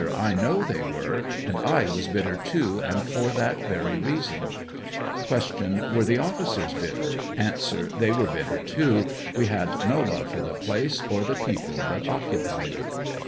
I know they were, and I was bitter, too, and for that very reason. Q. Were theoflSoers bitter? A. They were bitter, too ; we had no love for the place or the people that occupied it.